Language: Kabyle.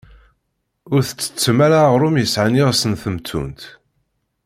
Ur tettettem ara aɣrum yesɛan iɣes n temtunt.